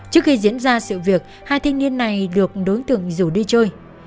trước khi diễn ra sự việc hai thiên nhiên này được đối tượng rủ đi chơi